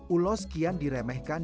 ulos kian diremehkan dan berkembang